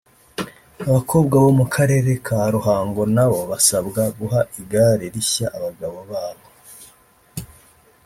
abakobwa bo mu karere ka ruhango nabo basabwa guha igare rishya abagabo babo